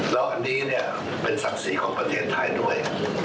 แล้วอันนี้เนี่ยเป็นศักดิ์ศรีของประเทศไทยด้วย